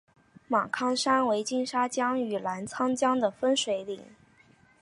芒康山为金沙江与澜沧江的分水岭。